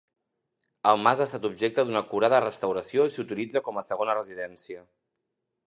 El mas ha estat objecte d'una acurada restauració i s'utilitza com a segona residència.